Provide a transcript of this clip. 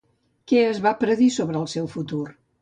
Què es va predir sobre el seu futur?